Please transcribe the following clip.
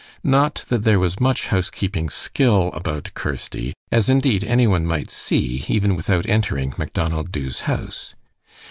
Not that there was much housekeeping skill about Kirsty, as indeed any one might see even without entering Macdonald Dubh's house.